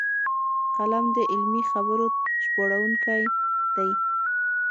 قلم د علمي خبرو ژباړونکی دی